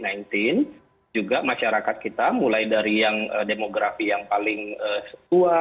jadi juga masyarakat kita mulai dari yang demografi yang paling tua